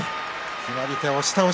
決まり手は、押し倒し。